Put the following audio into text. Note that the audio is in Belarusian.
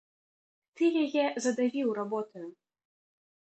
Ты яе задавіў работаю.